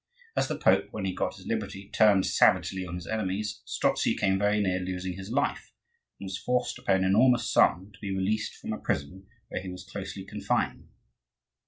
As the Pope, when he got his liberty, turned savagely on his enemies, Strozzi came very near losing his life, and was forced to pay an enormous sum to be released from a prison where he was closely confined.